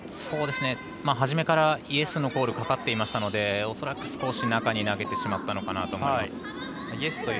初めからイエスのコールがかかっていましたので恐らく少し中に投げてしまったのかなと思います。